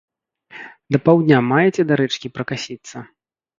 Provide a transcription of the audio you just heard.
Да паўдня маеце да рэчкі пракасіцца?